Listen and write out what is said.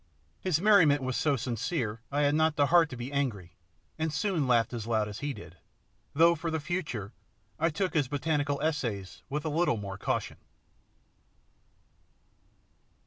His merriment was so sincere I had not the heart to be angry, and soon laughed as loud as he did; though, for the future, I took his botanical essays with a little more caution.